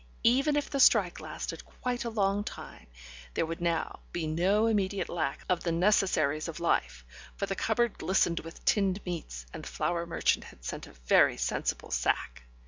Even if the strike lasted quite a long time, there would now be no immediate lack of the necessaries of life, for the cupboard glistened with tinned meats, and the flour merchant had sent a very sensible sack.